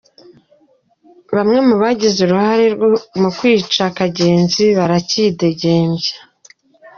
Bamwe mu bagize uruhara mu iyicwa rya Kagenzi baridegembya.